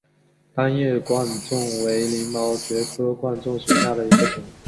单叶贯众为鳞毛蕨科贯众属下的一个种。